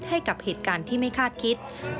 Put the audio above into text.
ให้กับเหตุการณ์ที่ไม่คาดคิด